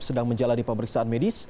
sedang menjalan di pemeriksaan medis